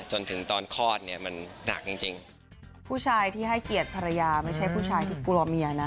จนถึงตอนคลอดเนี่ยมันหนักจริงจริงผู้ชายที่ให้เกียรติภรรยาไม่ใช่ผู้ชายที่กลัวเมียนะ